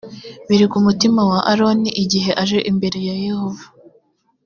biri ku mutima wa aroni igihe aje imbere ya yehova